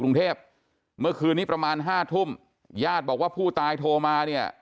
กรุงเทพเมื่อคืนนี้ประมาณห้าทุ่มญาติบอกว่าผู้ตายโทรมาเนี่ย